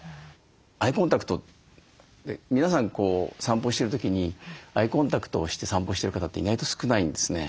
アイコンタクト皆さん散歩してる時にアイコンタクトをして散歩してる方って意外と少ないんですね。